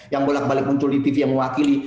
yang bolak balik muncul di tv yang mewakili